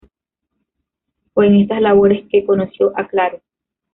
Fue en estas labores que conoció a Claro.